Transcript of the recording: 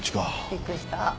びっくりした。